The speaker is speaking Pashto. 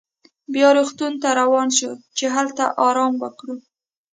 بیا روغتون ته روان شوو چې هلته ارام وکړو.